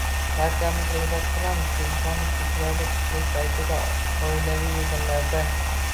Barchamiz g‘iybat qilamiz – telefonu kechalarda, tushlik paytida, oilaviy yig‘inlarda...